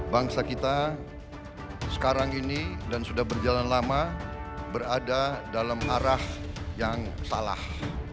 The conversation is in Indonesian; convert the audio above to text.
bangsa kita sekarang ini dan sudah berjalan lama berada dalam arah yang salah